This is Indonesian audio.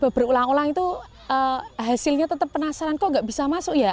berulang ulang itu hasilnya tetap penasaran kok nggak bisa masuk ya